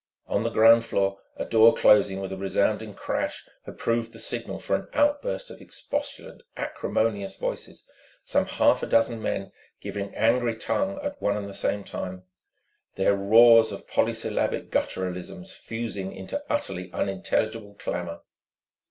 On the ground floor, a door closing with a resounding crash had proved the signal for an outburst of expostulant, acrimonious voices: some half a dozen men giving angry tongue at one and the same time, their roars of polysyllabic gutturalisms fusing into utterly unintelligible clamour.